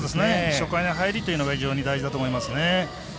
初回の入りというのが非常に大事だと思いますね。